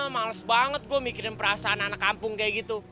males banget gue mikirin perasaan anak kampung kayak gitu